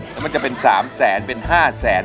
แล้วมันจะเป็นสามแสนเป็นห้าแสน